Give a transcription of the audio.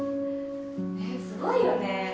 ねっすごいよね！